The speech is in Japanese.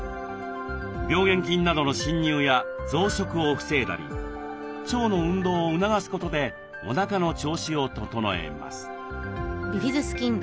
病原菌などの侵入や増殖を防いだり腸の運動を促すことでおなかの調子を整えます。